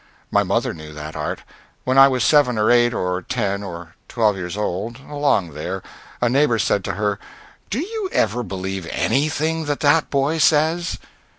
My mother knew that art. When I was seven or eight, or ten, or twelve years old along there a neighbor said to her, "Do you ever believe anything that that boy says?"